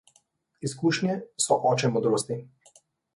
Izkušnje so oče modrosti.